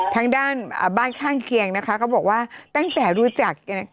ทางด้านอ่าบ้านข้างเคียงนะคะเขาบอกว่าตั้งแต่รู้จักเนี้ย